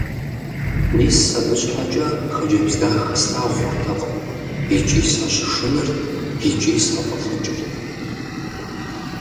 Мис абы щхьэкӀэ хъыджэбз дахэ слъагъу хъуртэкъым – икӀи сащышынэрт, икӀи сафӀэлӀыкӀырт.